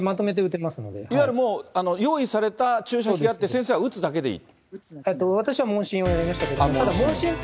いわゆるもう、用意された注射器があって、先生はもう打つだけでいい？